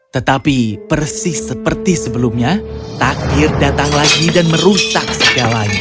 tetapi persis seperti sebelumnya takdir datang lagi dan merusak segalanya